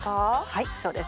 はいそうです。